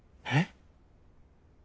えっ？